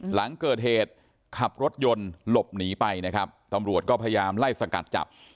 หลังเกิดเหตุขับรถยนต์หลบหนีไปนะครับตำรวจก็พยายามไล่สกัดจับ